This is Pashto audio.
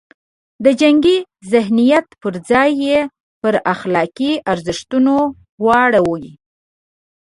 د جنګي ذهنیت پر ځای یې پر اخلاقي ارزښتونو واړوي.